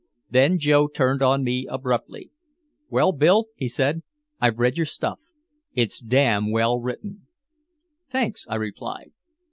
Then Joe turned on me abruptly. "Well, Bill," he said, "I've read your stuff. It's damn well written." "Thanks," I replied.